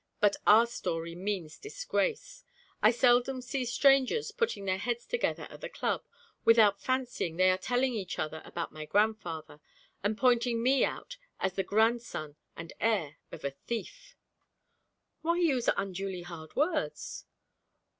But our story means disgrace. I seldom see strangers putting their heads together at the club without fancying they are telling each other about my grandfather, and pointing me out as the grandson and heir of a thief.' 'Why use unduly hard words?'